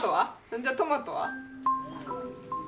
じゃあトマトは？